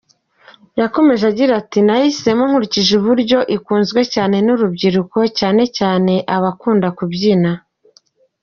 Yakomeje agira ati "Nayihisemo nkurikije uburyo ikunzwe cyane n’urubyiruko cyane cyane abakunda kubyina.